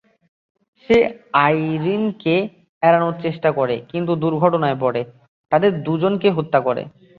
সে আইরিনকে এড়ানোর চেষ্টা করে কিন্তু দুর্ঘটনায় পড়ে, তাদের দুজনকেই হত্যা করে।